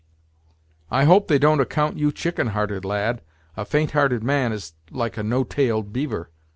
"I hope they don't account you chicken hearted, lad! A faint hearted man is like a no tailed beaver."